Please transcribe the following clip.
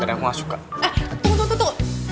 kadang gue gak suka eh tunggu tunggu tunggu